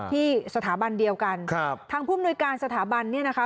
ที่สถาบันเดียวกันครับทางผู้มนุยการสถาบันเนี่ยนะคะ